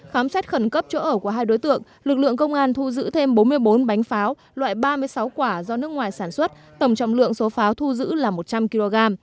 khám xét khẩn cấp chỗ ở của hai đối tượng lực lượng công an thu giữ thêm bốn mươi bốn bánh pháo loại ba mươi sáu quả do nước ngoài sản xuất tổng trọng lượng số pháo thu giữ là một trăm linh kg